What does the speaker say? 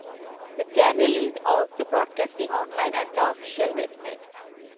The channel is also broadcasting online at the official website.